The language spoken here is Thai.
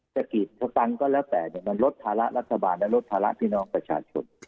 ศักดิ์ชะตังก็แล้วแต่มันลดทาระรัฐบาลและทาระพินองศ์ประชาชน